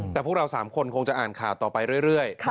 แต่พวกเรา๓คนคงจะอ่านข่าวต่อไปเรื่อย